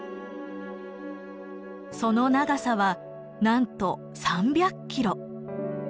その長さはなんと３００キロ。